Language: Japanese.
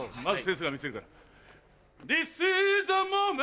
まず先生が見せるから。